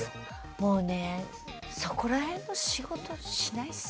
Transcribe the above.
もうねそこら辺の仕事しないっす。